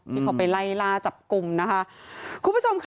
ที่เขาไปไล่ล่าจับกลุ่มนะคะคุณผู้ชมค่ะ